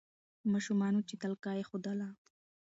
ماشومانو چي تلکه ایښودله